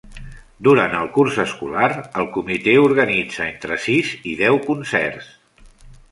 Durant el curs escolar, el comitè organitza entre sis i deu concerts.